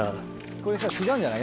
これさ違うんじゃない？